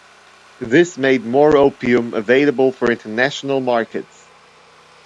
This made more opium available for international markets.